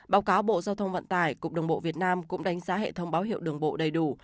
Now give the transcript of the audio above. báo cáo bộ giao thông vận tải cục đường bộ việt nam cũng đánh giá hệ thống báo hiệu đường bộ đầy đủ